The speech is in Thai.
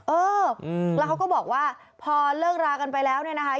เออแล้วเขาก็บอกว่าพอเลิกรากันไปแล้วเนี่ยนะคะ